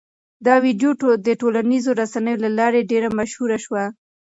دا ویډیو د ټولنیزو رسنیو له لارې ډېره مشهوره شوه.